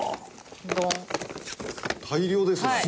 大量ですね。